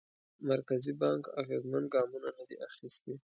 مرکزي بانک اغېزمن ګامونه ندي اخیستي.